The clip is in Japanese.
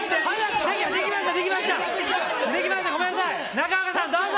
中岡さん、どうぞ！